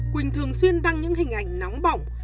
quỳnh thường xuyên đăng những hình ảnh nóng bỏng